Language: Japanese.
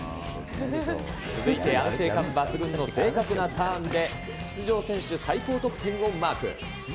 続いて安定感抜群の正確なターンで、出場選手最高得点をマーク。